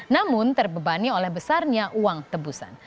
namun terbebani oleh besarnya uang tebusan